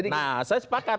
nah saya sepakat